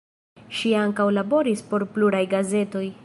Ŝi ankaŭ laboris por pluraj gazetoj.